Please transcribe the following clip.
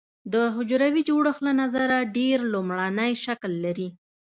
د حجروي جوړښت له نظره ډېر لومړنی شکل لري.